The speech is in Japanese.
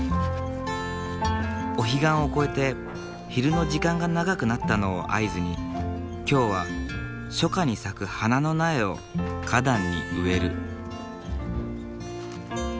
お彼岸を越えて昼の時間が長くなったのを合図に今日は初夏に咲く花の苗を花壇に植える。